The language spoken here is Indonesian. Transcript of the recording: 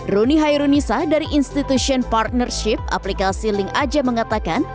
rony hairunisa dari institution partnership aplikasi linkaja mengatakan